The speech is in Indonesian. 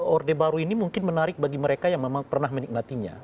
orde baru ini mungkin menarik bagi mereka yang memang pernah menikmatinya